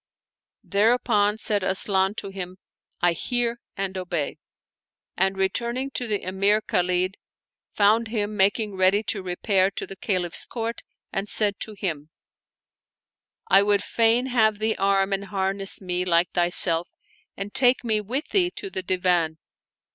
Thereupon said Asian to him, "I hear' and obey"; and, returning to the Emir Khalid, found him making ready to repair to the Caliph's court, and said to him, " I would bin have thee arm and harness me like thyself and take me with thee to the Divan."